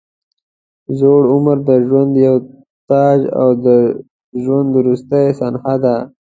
زوړ عمر د ژوند یو تاج او د ژوند وروستۍ صحنه ده.